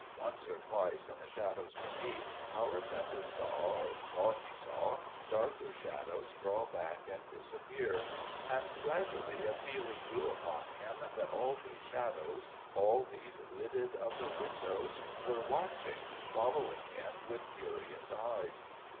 Once or twice in the shadows beneath, our apprentice saw, or thought he saw, darker shadows draw back and disappear: and gradually a feeling grew upon him that all these shadows, all these lidded upper windows, were watching, following him with curious eyes.